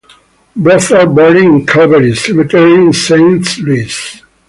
Both are buried in Calvary Cemetery in Saint Louis.